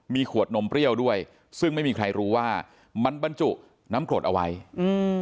มีขวดนมเปรี้ยวด้วยซึ่งไม่มีใครรู้ว่ามันบรรจุน้ำกรดเอาไว้อืม